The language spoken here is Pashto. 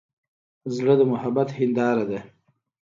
زړه د محبت هنداره ده.